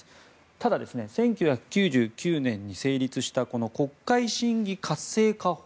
ただ、１９９９年に成立した国会審議活性化法